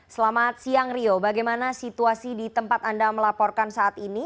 selamat siang rio bagaimana situasi di tempat anda melaporkan saat ini